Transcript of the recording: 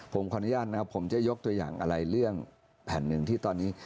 ผมขออนุญาตนะครับผมจะยกตัวอย่างอะไรเรื่องแผ่นหนึ่งที่ตอนนี้